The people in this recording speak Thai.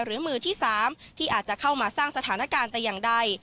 หรือมือที่๓ที่อาจจะเข้ามาสร้างสถานการณ์แต่อย่างใด